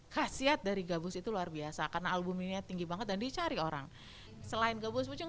khasiat dari gabus itu luar biasa karena albumnya tinggi banget dan dicari orang selain gabus pucung